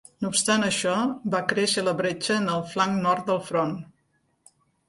No obstant això, va créixer la bretxa en el flanc nord del Front.